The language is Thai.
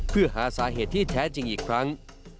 เพื่อหาสาเหตุที่แท้จริงอีกครั้ง